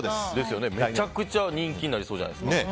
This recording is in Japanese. めちゃくちゃ人気になりそうですね。